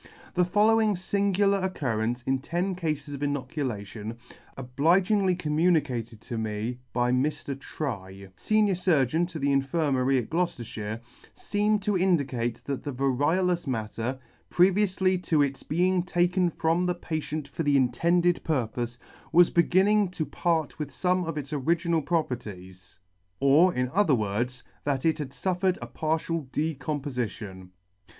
The following fingular occurrences in ten cafes of inoculation, obligingly com municated to me by Mr. Trye, Senior Surgeon to the Infirmary at Gloucefter, feem to indicate that the variolous matter, previoufly to its being taken from the patient for the intended purpofe, was beginning to part with fome of its original properties ; or, in other words, that it had fuffered a partial decompofition.